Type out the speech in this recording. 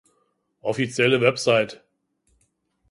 Offizielle Website